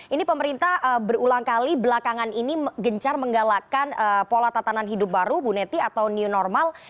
ini pemerintah berulang kali belakangan ini gencar menggalakkan pola tatanan hidup baru bu neti atau new normal